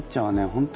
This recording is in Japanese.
本当